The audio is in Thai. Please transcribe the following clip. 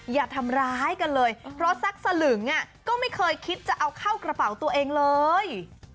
อย่าทำร้ายกันเลยเพราะสักสลึงก็ไม่เคยคิดจะเอาเข้ากระเป๋าตัวเองเลย